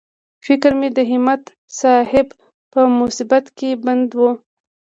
فکر مې د همت صاحب په مصیبت کې بند و.